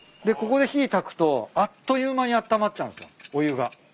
でここで火たくとあっという間にあったまっちゃうんすよお湯が。